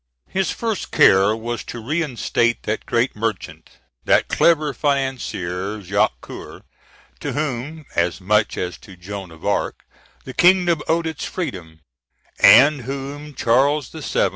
His first care was to reinstate that great merchant, that clever financier, Jacques Coeur, to whom, as much as to Joan of Arc, the kingdom owed its freedom, and whom Charles VII.